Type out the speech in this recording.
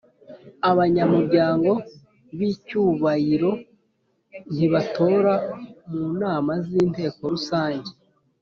Abanyamuryango b’icyubairo ntibatora mu nama z’Inteko Rusange